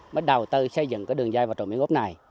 mới đầu tư xây dựng các đường dây và trộm miếng ốp này